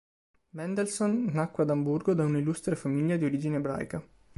Mendelssohn nacque ad Amburgo da una illustre famiglia di origine ebraica.